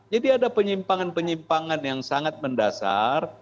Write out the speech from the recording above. jadi ada penyimpangan penyimpangan yang sangat mendasar